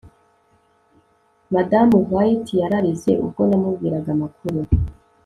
madamu white yararize ubwo namubwiraga amakuru